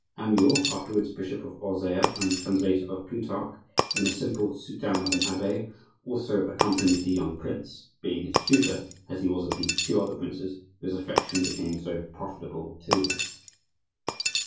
Amyot (afterwards Bishop of Auxerre and translator of Plutarch), in the simple soutane of an abbe, also accompanied the young prince, being his tutor, as he was of the two other princes, whose affection became so profitable to him.